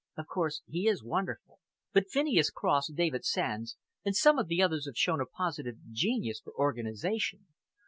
Of course, he is wonderful, but Phineas Cross, David Sands and some of the others have shown a positive genius for organisation.